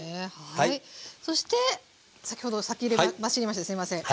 そして先ほど先走りましてすみません。